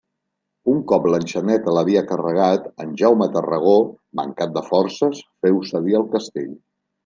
Un cop l'enxaneta l'havia carregat, en Jaume Tarragó, mancat de forces, féu cedir el castell.